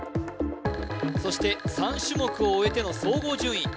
そして３種目を終えての総合順位